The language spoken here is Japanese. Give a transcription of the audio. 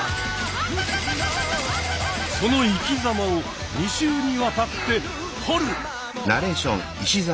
その生きざまを２週にわたって掘る！